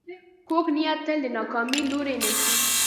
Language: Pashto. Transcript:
کوږ نیت تل د ناکامۍ لوری نیسي